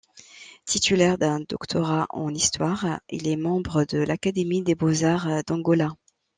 Titulaire d'un doctorat en histoire, il est membre de l'Académie des beaux-arts d'Angola.